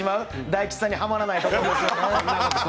大吉さんにはまらないところです。